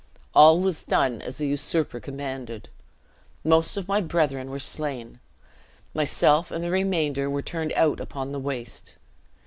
All was done as the usurper commanded. Most of my brethren were slain. Myself and the remainder were turned out upon the waste.